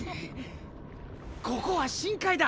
ここは深海だ！